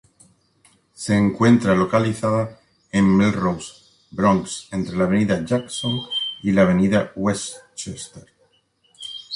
Se encuentra localizada en Melrose, Bronx entre la Avenida Jackson y la Avenida Westchester.